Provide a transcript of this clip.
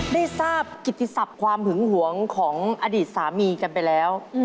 ได้ทราบกิติศัพท์ความหึงหวงของอดีตสามีกันไปแล้ว